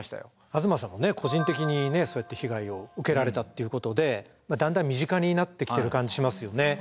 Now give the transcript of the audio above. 東さんが個人的にそうやって被害を受けられたっていうことでだんだん身近になってきてる感じしますよね。